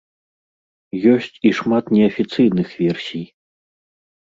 Ёсць і шмат неафіцыйных версій.